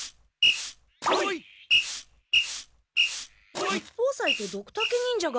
八方斎とドクタケ忍者が。